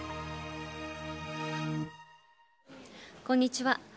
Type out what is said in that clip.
こんにちは。